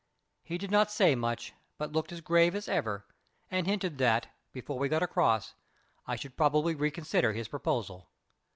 He did not say much, but looked as grave as ever, and hinted that, before we got across, I should probably reconsider his proposal.